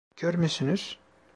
Kör müsünüz?